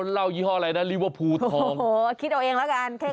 เล่ายี่ห้ออะไรนะลิเวอร์พูลทองโอ้โหคิดเอาเองแล้วกัน